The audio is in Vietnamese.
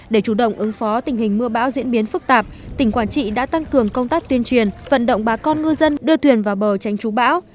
để chủ động ứng phó tình hình mưa bão diễn biến phức tạp tỉnh quảng trị đã tăng cường công tác tuyên truyền vận động bà con ngư dân đưa thuyền vào bờ tránh chú bão